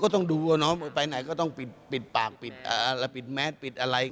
ต้องดูว่าน้องไปไหนก็ต้องปิดปากปิดแมสปิดอะไร